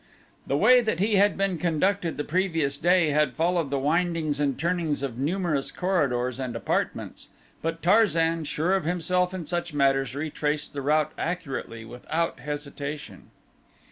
The way that he had been conducted the previous day had followed the windings and turnings of numerous corridors and apartments, but Tarzan, sure of himself in such matters, retraced the route accurately without hesitation.